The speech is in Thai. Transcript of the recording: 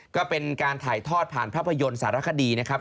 ก็เป็นการถ่ายทอดผ่านภาพยนตร์สารคดีนะครับ